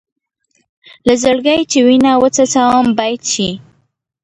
له زړګي چې وينه وڅڅوم بېت شي.